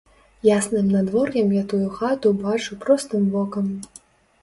Ясным надвор'ем я тую хату бачу простым вокам.